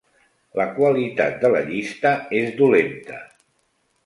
La qualitat de la llista és dolenta.